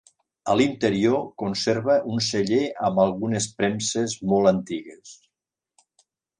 A l'interior conserva un celler amb algunes premses molt antigues.